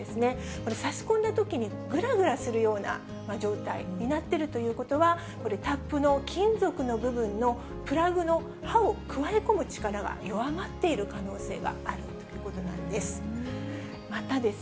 これ、差し込んだときにぐらぐらするような状態になっているということは、これ、タップの金属の部分のプラグの刃をくわえ込む力が弱まっている可能性があるということなんです。